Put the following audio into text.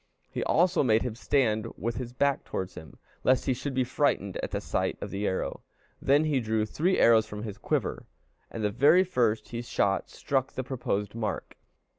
He also made him stand with his back towards him, lest he should be frightened at the sight of the arrow. Then he drew three arrows from his quiver, and the very first he shot struck the proposed mark.